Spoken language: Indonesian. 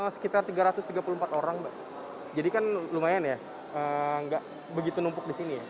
sekitar tiga ratus tiga puluh empat orang mbak jadi kan lumayan ya nggak begitu numpuk di sini ya